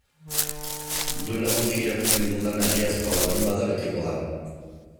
Duela gutxi irakurri dudana egiazkoa baldin bada beteko da.